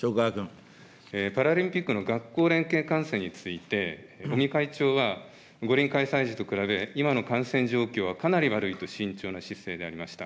パラリンピックの学校連携観戦について、尾身会長は五輪開催時と比べ、今の感染状況は、かなり悪いと慎重な姿勢でありました。